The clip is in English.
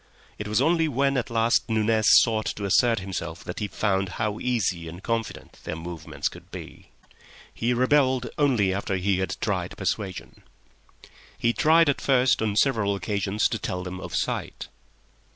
It was only when at last Nunez sought to assert himself that he found how easy and confident their movements could be. He rebelled only after he had tried persuasion. He tried at first on several occasions to tell them of sight.